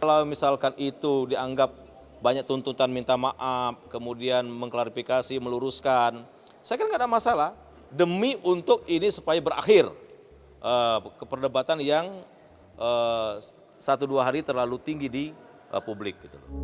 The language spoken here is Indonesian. kalau misalkan itu dianggap banyak tuntutan minta maaf kemudian mengklarifikasi meluruskan saya kira nggak ada masalah demi untuk ini supaya berakhir keperdebatan yang satu dua hari terlalu tinggi di publik